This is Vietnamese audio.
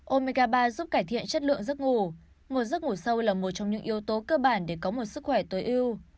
omega ba giúp cải thiện chất lượng giấc ngủ một giấc ngủ sâu là một trong những yếu tố cơ bản để có một sức khỏe tối ưu